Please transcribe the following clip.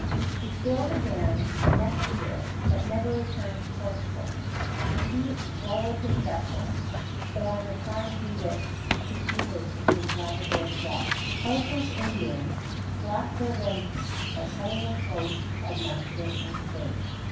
He sailed again, the next year; but never returned to Portugal. The seas swallowed his vessel; or the tide beat it to pieces against Labrador's rocks; of those Indians slaked their vengeance by cutting the throats of master and crew.